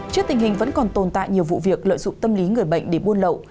trước tình hình vẫn còn tồn tại nhiều vụ việc lợi dụng tâm lý người bệnh để buôn lậu